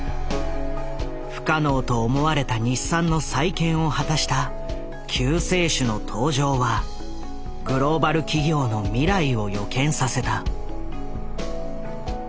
不可能と思われた日産の再建を果たした救世主の登場はグローバル企業の未来を予見させた。